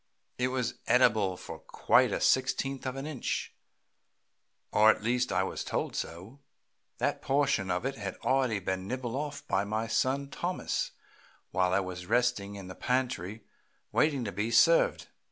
It was edible for quite a sixteenth of an inch, or at least I was told so. That portion of it had already been nibbled off by my son Thomas while it was resting in the pantry waiting to be served.